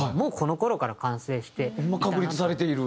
確立されている？